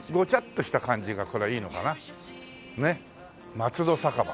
「松戸酒場」